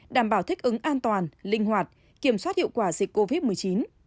đảm bảo thích ứng an toàn linh hoạt kiểm soát hiệu quả dịch covid một mươi chín